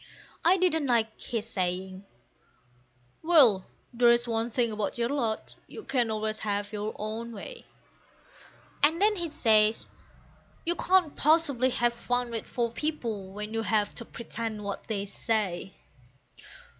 I didn't like his saying, "Well, there's one thing about your lot, you can always have your own way." And then he says, "You can't possibly have fun with four people when you have to pretend what they say."